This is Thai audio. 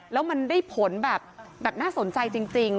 แล้วมันได้ผลแบบน่าสนใจจริง